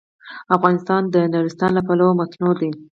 افغانستان د نورستان له پلوه متنوع دی.